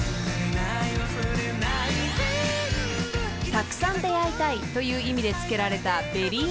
［たくさん出会いたいという意味で付けられたｂｅｒｒｙｍｅｅｔ］